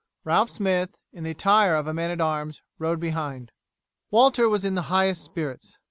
Ralph Smith, in the attire of a man at arms, rode behind. Walter was in the highest spirits.